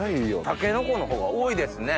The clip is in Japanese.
タケノコの方が多いですね。